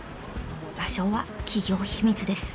場所は企業秘密です。